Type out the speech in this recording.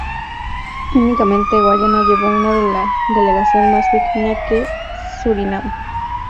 Únicamente Guyana llevó una delegación más pequeña que Surinam.